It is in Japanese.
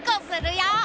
するよ！